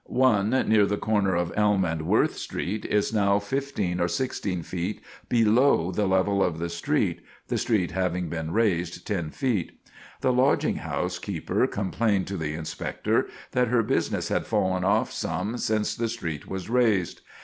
One, near the corner of Elm and Worth streets, is now fifteen or sixteen feet below the level of the street (the street having been raised ten feet). The lodging house keeper complained to the Inspector that her business had fallen off some since the street was raised.